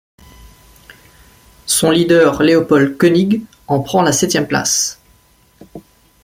Son leader Leopold König en prend la septième place.